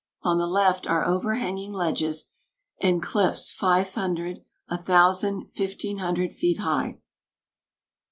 On the left are overhanging ledges and cliffs five hundred, a thousand, fifteen hundred feet high.